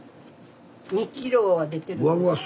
２キロは出てる。